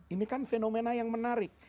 ini kan fenomena yang menarik